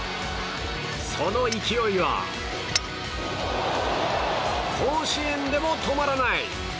その勢いは甲子園でも止まらない！